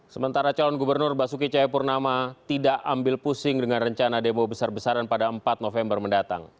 sementara calon gubernur basuki cahayapurnama tidak ambil pusing dengan rencana demo besar besaran pada empat november mendatang